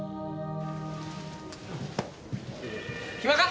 暇か？